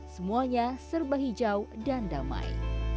semuanya serba hijau dan damai